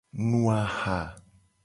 Nu aha.